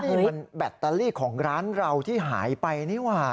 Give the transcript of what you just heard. นี่มันแบตเตอรี่ของร้านเราที่หายไปนี่ว่ะ